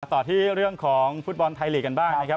ต่อที่เรื่องของฟุตบอลไทยลีกกันบ้างนะครับ